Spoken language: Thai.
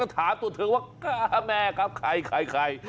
ก็ถามตัวเธอว่าแม่ครับใคร